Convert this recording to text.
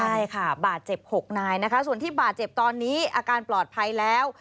ใช่ค่ะบาดเจ็บ๖นายนะคะส่วนที่บาดเจ็บตอนนี้อาการปลอดภัยแล้ว